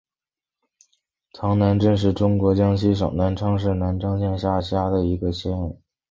塘南镇是中国江西省南昌市南昌县下辖的一个镇。